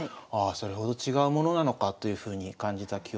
それほど違うものなのかというふうに感じた記憶があります。